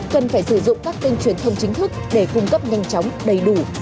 cần phải sử dụng các kênh truyền thông chính thức để cung cấp nhanh chóng đầy đủ